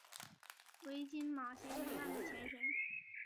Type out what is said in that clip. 为今马偕医院的前身。